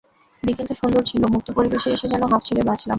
বিকেলটা সুন্দর ছিল, মুক্ত পরিবেশে এসে যেনো হাঁফ ছেড়ে বাঁচলাম।